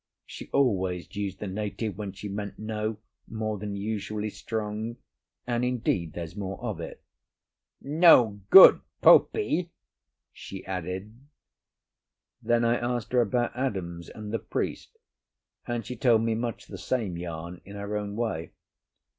She always used the native when she meant "no" more than usually strong, and, indeed, there's more of it. "No good Popey," she added. Then I asked her about Adams and the priest, and she told me much the same yarn in her own way.